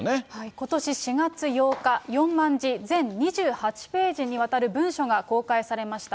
ことし４月８日、４万字、全２８ページにわたる文書が公開されました。